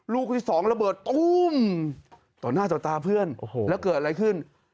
ลูกที่สองระเบิดตุ้มต่อหน้าต่อตาเพื่อนแล้วเกิดอะไรขึ้น